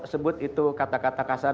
sebut itu kata kata kasar